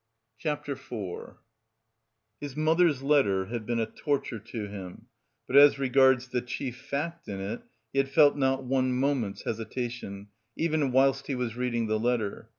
CHAPTER IV His mother's letter had been a torture to him, but as regards the chief fact in it, he had felt not one moment's hesitation, even whilst he was reading the letter.